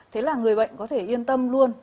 thế là người bệnh có thể yên tâm luôn